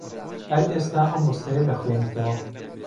هەر ئێستا ئەم ڕستەیە دەخوێنیتەوە.